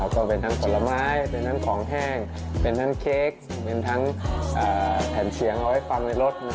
ก็เป็นทั้งผลไม้ของแห้งเค้กแผ่นเสียงไว้ฟังในรถ